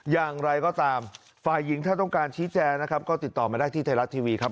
อย่างไรก็ตามฝ่ายหญิงถ้าต้องการชี้แจงนะครับก็ติดต่อมาได้ที่ไทยรัฐทีวีครับ